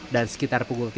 dan sekitar pukul tiga